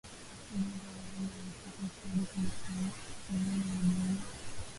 Ugonjwa wa homa ya mapafu husababishwa na kuchanganya wanyama